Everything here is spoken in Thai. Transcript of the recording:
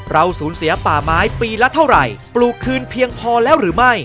สูญเสียป่าไม้ปีละเท่าไหร่ปลูกคืนเพียงพอแล้วหรือไม่